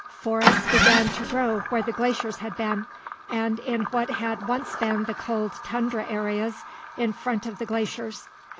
Forests began to grow where the glaciers had been, and in what had once been the cold tundra areas in front of the glaciers.